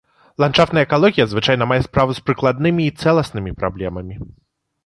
Ландшафтная экалогія звычайна мае справу з прыкладнымі і цэласнымі праблемамі.